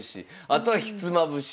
あとはひつまぶし。